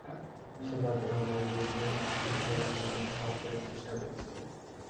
সে তাদের অন্যায়ের বিরুদ্ধে রুখে দাঁড়ানোর জন্য সাহস দেওয়ার চেষ্টা করেছিল।